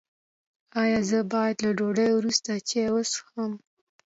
ایا زه باید له ډوډۍ وروسته چای وڅښم؟